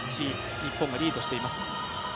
日本がリードしています。